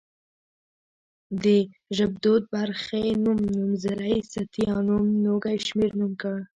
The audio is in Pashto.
د ژبدود برخې نوم، نومځری ستيانوم ، نوږی شمېرنوم کړ